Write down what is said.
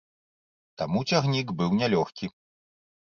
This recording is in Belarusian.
Таму цягнік быў нялёгкі.